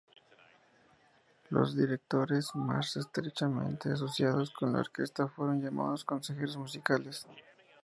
Los directores más estrechamente asociados con la orquesta fueron llamados "consejeros musicales".